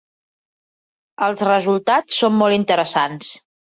Els resultats són molt interessants.